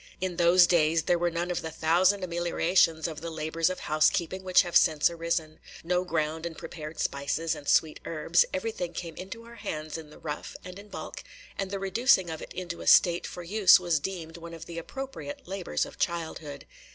In those days there were none of the thousand ameliorations of the labors of housekeeping which have since arisen, – no ground and prepared spices and sweet herbs; everything came into our hands in the rough, and in bulk, and the reducing of it into a state for use was deemed one of the appropriate labors of childhood.